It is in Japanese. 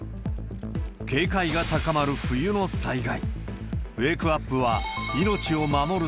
警戒が高まる冬の災害。